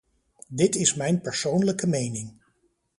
Dit is mijn persoonlijke mening.